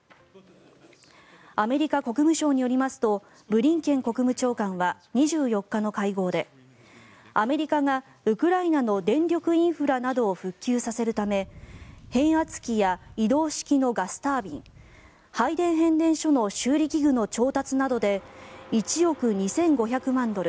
アメリカ国務省によりますとブリンケン国務長官は２４日の会合でアメリカがウクライナの電力インフラなどを復旧させるため変圧器や移動式のガスタービン配電変電所の修理器具の調達などで１億２５００万ドル